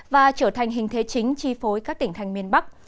và trở thành hình thế chính chi phối các tỉnh thành miền bắc